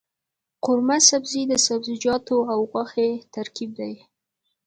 قورمه سبزي د سبزيجاتو او غوښې ترکیب دی.